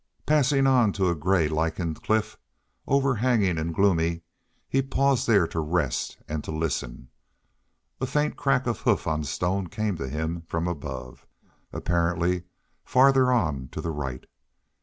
Passing on to a gray lichened cliff, overhanging and gloomy, he paused there to rest and to listen. A faint crack of hoof on stone came to him from above, apparently farther on to the right.